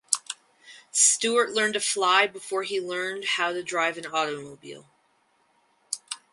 Stewart learned to fly before he learned how to drive an automobile.